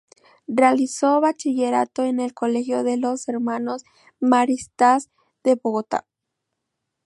Realizó bachillerato en el Colegio de los Hermanos Maristas de Bogotá.